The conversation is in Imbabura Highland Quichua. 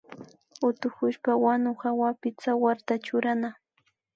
Utukushpa wanu hawapi tsawarta churana